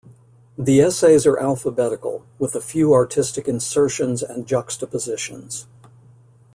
The essays are alphabetical, with a few artistic insertions and juxtapositions.